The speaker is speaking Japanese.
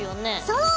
そう！